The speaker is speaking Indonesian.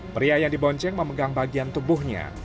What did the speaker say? pria yang dibonceng memegang bagian tubuhnya